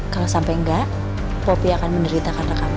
kalau sampai enggak poppy akan menderitakan rekamnya